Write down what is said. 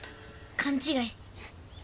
勘違い。